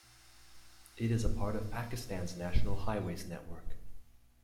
It is a part of Pakistan's National Highways network.